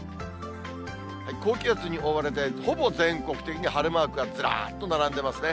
高気圧に覆われてほぼ全国的に晴れマークがずらっと並んでますね。